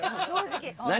何？